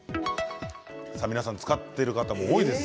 皆さん使っている方も多いです。